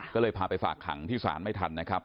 ก็เลยพาไปฝากขังที่ศาลไม่ทันนะครับ